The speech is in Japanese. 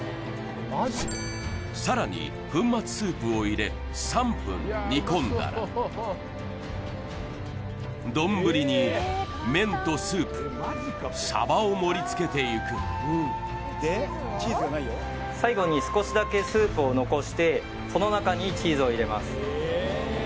さらに粉末スープを入れ３分煮込んだら丼に麺とスープサバを盛りつけていく最後に少しだけスープを残してその中にチーズを入れます